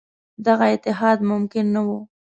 دغه اتحاد ممکن نه وو.